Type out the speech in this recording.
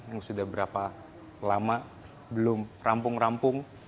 yang sudah berapa lama belum rampung rampung